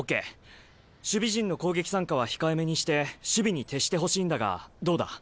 守備陣の攻撃参加は控えめにして守備に徹してほしいんだがどうだ？